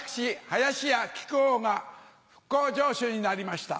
林家木久扇が復興城主になりました。